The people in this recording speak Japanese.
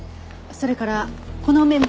それからこのメモ。